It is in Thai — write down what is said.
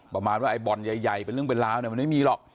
ประมาณว่าไอ้บ่อนใหญ่เป็นเรื่องเป็นราวเนี่ยมันไม่มีหรอก